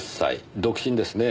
独身ですね。